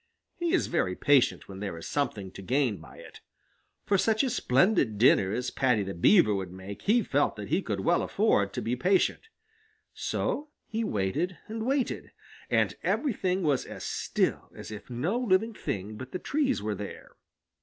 He is very patient when there is something to gain by it. For such a splendid dinner as Paddy the Beaver would make he felt that he could well afford to be patient. So he waited and waited, and everything was as still as if no living thing but the trees were there.